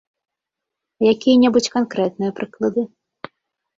А якія-небудзь канкрэтныя прыклады?